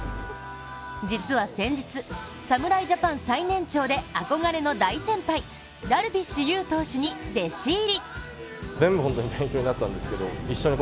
実は先日、侍ジャパン最年長で憧れの大先輩ダルビッシュ有投手に弟子入り。